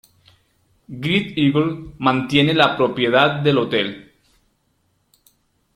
Great Eagle mantiene la propiedad del hotel.